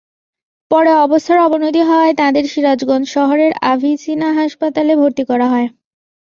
পরে অবস্থার অবনতি হওয়ায় তাঁদের সিরাজগঞ্জ শহরের আভিসিনা হাসপাতালে ভর্তি করা হয়।